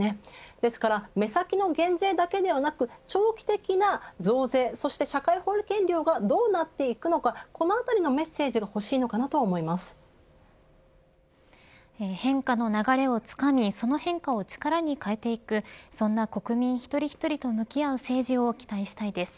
ですから目先の減税だけではなく長期的な増税そして社会保険料がどうなっていくのかこの辺りのメッセージが変化の流れをつかみその変化を力に変えていくそんな国民一人一人と向き合う政治を期待したいです。